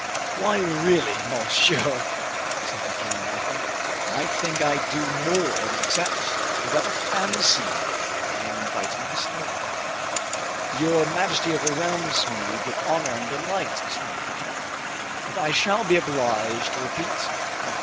"Why, really, monsieur," said the king, laughing, "I think I do more than accept; I rather fancy I am inviting myself." "Your majesty overwhelms me with honor and delight," exclaimed Fouquet, "but I shall be obliged to repeat what M.